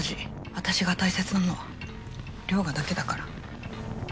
私が大切なのは涼牙だけだから。